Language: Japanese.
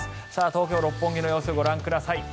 東京・六本木の様子ご覧ください。